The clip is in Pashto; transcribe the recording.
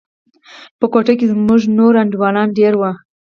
په كوټه کښې زموږ نور انډيوالان دېره وو.